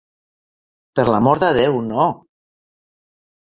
Per l'amor de Déu, no!